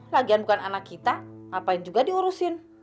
lagian bukan anak kita ngapain juga diurusin